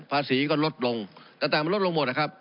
ภาษีก็ลดลงต่างมันลดลงหมดนะครับ